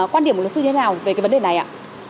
quan điểm của luật sư như thế nào về cái vấn đề này ạ